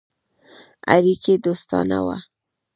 اړیکي دوستانه وه.